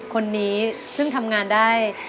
คนนี้ซึ่งทำงานได้